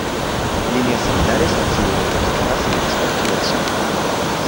Líneas similares han sido identificadas en el espectro del Sol.